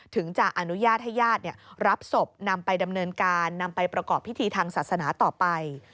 ถึงจะอนุญาตให้ญาติรับศพนำไปดำเนินการนำไปประกอบพิธีทางศาสนาต่อไป